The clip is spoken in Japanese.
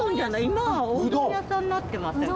今はおうどん屋さんになって。